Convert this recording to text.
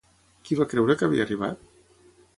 Qui va creure que havia arribat?